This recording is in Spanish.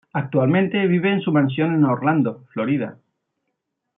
Actualmente vive en su mansión en Orlando, Florida.